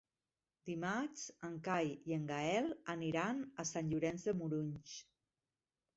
Dimarts en Cai i en Gaël aniran a Sant Llorenç de Morunys.